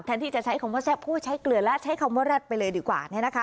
แทนที่จะใช้คำว่าแซ่บพูดว่าใช้เกลือแล้วใช้คำว่าแรดไปเลยดีกว่าเนี่ยนะคะ